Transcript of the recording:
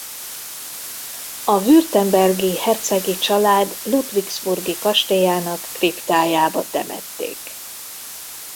A württembergi hercegi család ludwigsburgi kastélyának kriptájába temették.